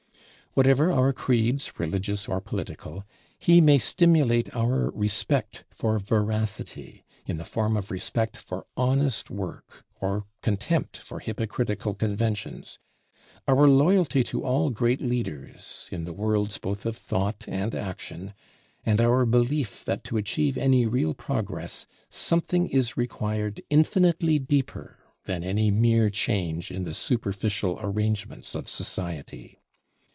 Whatever our creeds, religious or political, he may stimulate our respect for veracity, in the form of respect for honest work or contempt for hypocritical conventions; our loyalty to all great leaders, in the worlds both of thought and action; and our belief that to achieve any real progress, something is required infinitely deeper than any mere change in the superficial arrangements of society.